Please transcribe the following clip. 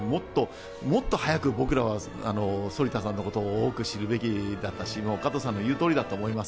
もっと早く僕らは反田さんのことを多く知るべきだったし、加藤さんの言う通りだと思います。